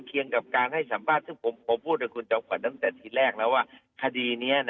จริงคนที่เล่ากันได้